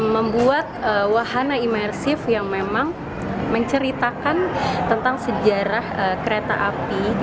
membuat wahana imersif yang memang menceritakan tentang sejarah kereta api